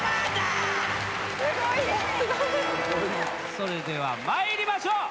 それでは参りましょう。